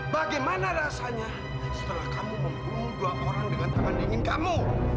bagaimana rasanya setelah kamu membunuh dua orang dengan tangan dingin kamu